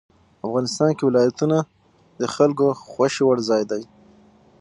افغانستان کې ولایتونه د خلکو خوښې وړ ځای دی.